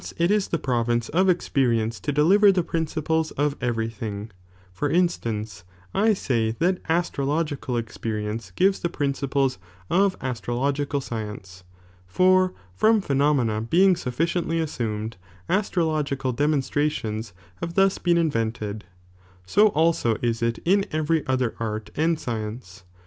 liCTce it 13* the province of experience to deliver ^ f_,^j^, the principles of every thing, for instance, I say ii'toBupp th«l astrological experience gives the principles §5,So^if^.„ of astrologies science, for from ptienomena being t» "ot kI »ulficieDlly assumed, astrological demonstrations Imve thus been invented, so ulso is it in every other art and mence.